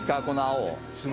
この青。